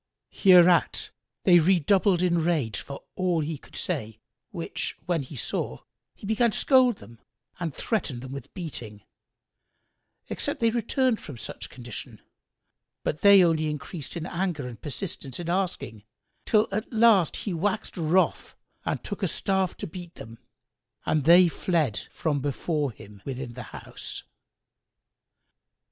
Hereat they redoubled in rage for all he could say, which when he saw, he began to scold them and threaten them with beating, except they returned from such condition; but they only increased in anger and persistence in asking, till at last he waxed wroth and took a staff to beat them, and they fled from before him within the house.